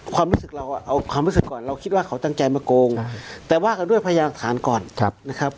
ความรู้สึกเราเอาความรู้สึกก่อนเราคิดว่าเขาตั้งใจมาโกงแต่ว่ากันด้วยพยานหลักฐานก่อนนะครับ